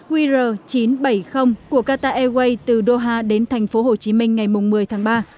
qr chín trăm bảy mươi của qatar airways từ doha đến thành phố hồ chí minh ngày một mươi tháng ba